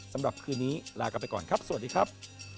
สำหรับคืนนี้ลากันไปก่อนครับสวัสดีครับ